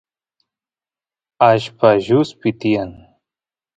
allpa lluspi tiyan